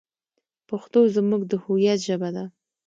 پښتو زموږ د هویت ژبه ده.